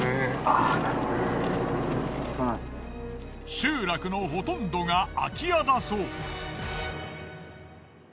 集落のほとんどが空き家だそう。